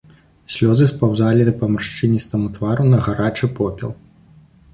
Слёзы спаўзалі па маршчыністаму твару на гарачы попел.